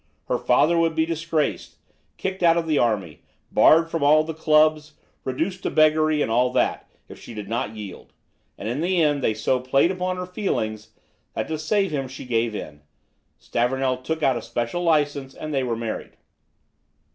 Her father would be disgraced, kicked out of the army, barred from all the clubs, reduced to beggary, and all that, if she did not yield; and in the end they so played upon her feelings, that to save him she gave in; Stavornell took out a special license, and they were married.